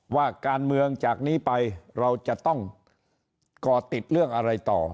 ว่าการเมืองจากนี้ไปเราจะต้องก่อติดเรื่องอะไรต่อ